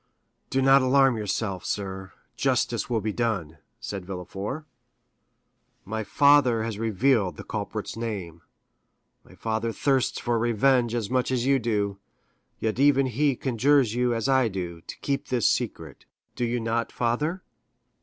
"Do not alarm yourself, sir; justice will be done," said Villefort. "My father has revealed the culprit's name; my father thirsts for revenge as much as you do, yet even he conjures you as I do to keep this secret. Do you not, father?"